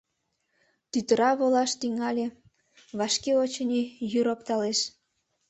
Тӱтыра волаш тӱҥале — вашке, очыни, йӱр опталеш.